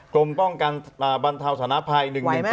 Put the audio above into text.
๑๗๘๔กลมป้องการบรรเทาสนภัย